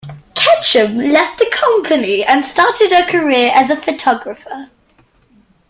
Ketchum left the company and started a career as photographer.